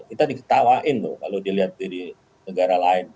kita diketawain loh kalau dilihat dari negara lain